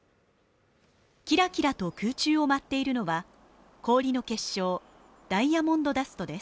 キラキラと空中を舞っているのは氷の結晶ダイヤモンドダストです